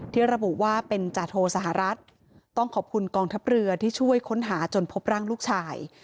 ระบุว่าเป็นจาโทสหรัฐต้องขอบคุณกองทัพเรือที่ช่วยค้นหาจนพบร่างลูกชาย